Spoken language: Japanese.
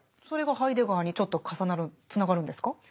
それがハイデガーにちょっと重なるつながるんですか？